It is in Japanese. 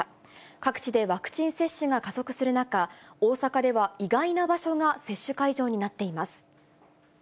各地でワクチン接種が加速する中、大阪では意外な場所が、接種会場になっています。